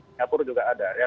singapura juga ada